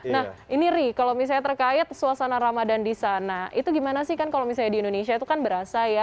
nah ini ri kalau misalnya terkait suasana ramadan di sana itu gimana sih kan kalau misalnya di indonesia itu kan berasa ya